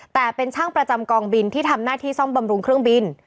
แต่เป็นช่างประจำกองบินที่ทำหน้าที่ซ่อมบำรุงเครื่องบิน